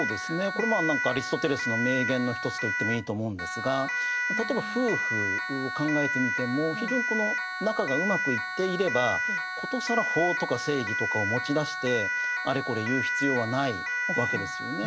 これもアリストテレスの名言の一つと言ってもいいと思うんですが例えば夫婦を考えてみても非常にこの仲がうまくいっていれば殊更法とか正義とかを持ち出してあれこれ言う必要はないわけですよね。